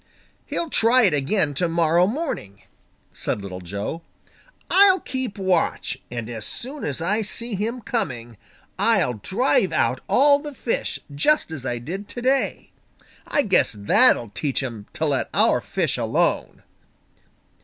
"He'll try it again to morrow morning," said Little Joe. "I'll keep watch, and as soon as I see him coming, I'll drive out all the fish, just as I did to day. I guess that'll teach him to let our fish alone."